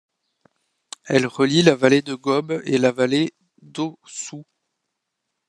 Elle relie la vallée de Gaube et la vallée d'Ossoue.